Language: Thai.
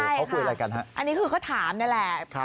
ใช่ค่ะเขาคุยอะไรกันฮะอันนี้คือเขาถามนี่แหละครับ